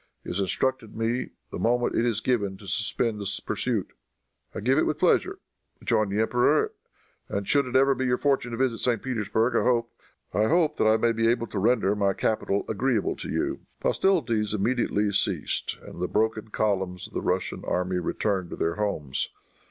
"He has instructed me the moment it is given to suspend the pursuit." "I give it with pleasure," rejoined the emperor, "and should it ever be your fortune to visit St. Petersburg, I hope that I may be able to render my capital agreeable to you." Hostilities immediately ceased, and the broken columns of the Russian troops returned to their homes.